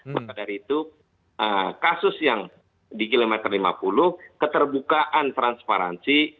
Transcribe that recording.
maka dari itu kasus yang di kilometer lima puluh keterbukaan transparansi